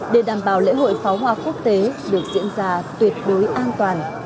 để đảm bảo lễ hội pháo hoa quốc tế được diễn ra tuyệt đối an toàn